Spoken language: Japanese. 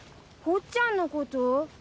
ほっちゃんのこと？